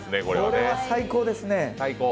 これは最高ですね。